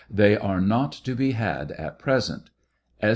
They are not to be had at present.